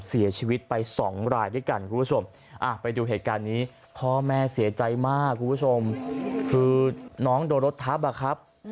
เสียใจมากคุณผู้ชมคือน้องโดนรถทัพ